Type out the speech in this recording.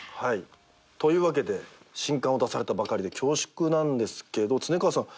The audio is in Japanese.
というわけで新刊を出されたばかりで恐縮なんですけど恒川さん